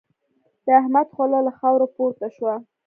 د احمد خوله له خاورو پورته شوه.